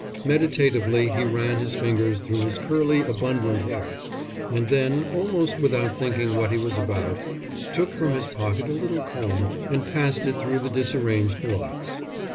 Meditatively he ran his fingers through his curly, abundant hair; and then, almost without thinking what he was about, took from his pocket a little comb and passed it through the disarranged locks.